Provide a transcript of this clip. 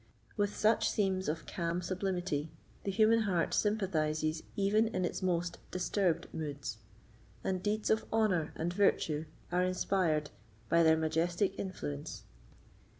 With such scenes of calm sublimity the human heart sympathises even in its most disturbed moods, and deeds of honour and virtue are inspired by their majestic influence.